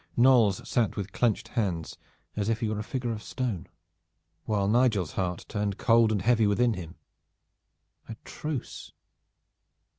Knolles sat with clenched hands as if he were a figure of stone, while Nigel's heart turned cold and heavy within him. A truce!